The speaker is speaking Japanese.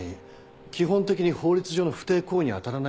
基本的に法律上の不貞行為には当たらないので。